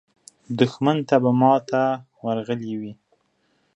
دښمن ته به ماته ورغلې وي.